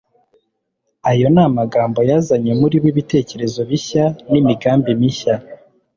Ayo ni amagambo yazanye muri bo ibitekerezo bishya, n'imigambi mishya: